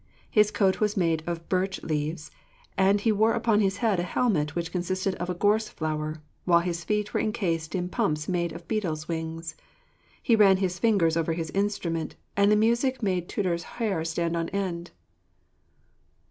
His coat was made of birch leaves, and he wore upon his head a helmet which consisted of a gorse flower, while his feet were encased in pumps made of beetle's wings. He ran his fingers over his instrument, and the music made Tudur's hair stand on end.